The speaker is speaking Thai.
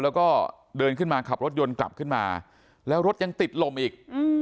แล้วก็เดินขึ้นมาขับรถยนต์กลับขึ้นมาแล้วรถยังติดลมอีก